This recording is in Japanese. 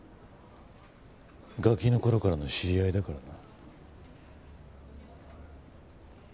ガキの頃からの知り合いだからな。